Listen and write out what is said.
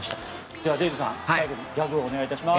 では、デーブさんギャグをお願いします。